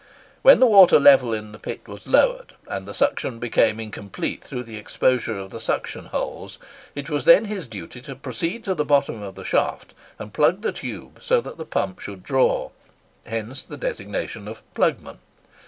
When the water level in the pit was lowered, and the suction became incomplete through the exposure of the suction holes, it was then his duty to proceed to the bottom of the shaft and plug the tube so that the pump should draw: hence the designation of "plugman."